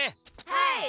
はい！